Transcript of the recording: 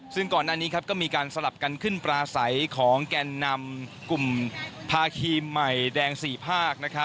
ซึ่งก่อนหน้านี้ก็มีการสลับกันขึ้นปลาใสของแกนนำกลุ่มภาคีใหม่แดง๔ภาค